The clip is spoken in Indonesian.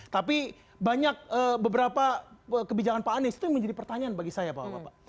tapi banyak beberapa kebijakan pak anies itu yang menjadi pertanyaan bagi saya bapak bapak